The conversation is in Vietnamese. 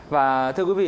và thưa quý vị